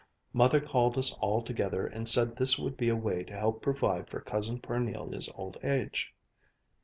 Mother called us all together and said this would be a way to help provide for Cousin Parnelia's old age.